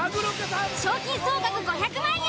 賞金総額５００万円。